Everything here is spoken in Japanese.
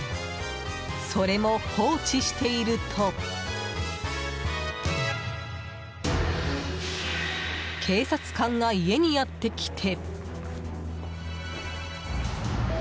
それも放置していると警察官が家にやってきて。